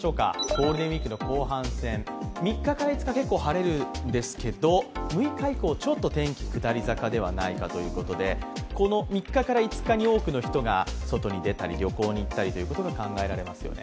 ゴールデンウイークの後半戦、３日から５日結構晴れるんですけど６日以降、ちょっと天気、下り坂ではないかということでこの３日から５日に多くの人が外に出たり、旅行に行ったりということが考えられますよね。